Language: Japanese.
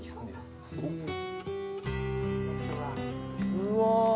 うわ。